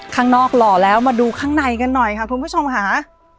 ข้างนอกหล่อแล้วมาดูข้างในกันหน่อยค่ะคุณผู้ชมค่ะ